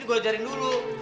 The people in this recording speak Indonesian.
ini gue ajarin dulu